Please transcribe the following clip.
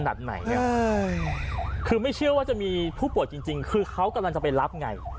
คือไม่เชื่อว่าจะมีผู้ป่วยจริงคือเขากำลังจะไปรับไง